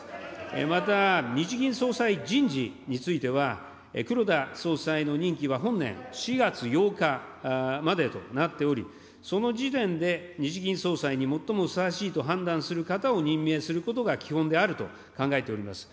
また、日銀総裁人事については、黒田総裁の任期は本年４月８日までとなっており、その時点で日銀総裁に最もふさわしいと判断する方を任命することが基本であると考えております。